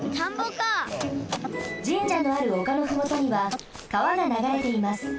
神社のあるおかのふもとにはかわがながれています。